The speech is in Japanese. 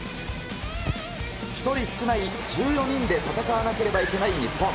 １人少ない１４人で戦わなければいけない日本。